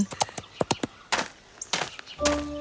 dan membawanya ke tempat favoritnya di hutan